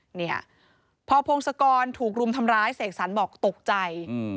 เนี่ยพอพงศกรถูกรุมทำร้ายเสกสรรบอกตกใจ